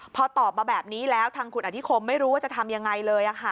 พอตอบมาแบบนี้แล้วทางคุณอธิคมไม่รู้ว่าจะทำยังไงเลย